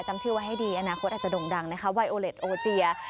จำชื่อไว้ให้ดีอนาคตอาจจะด่งดังนะคะไวโอเล็ตโอเจีย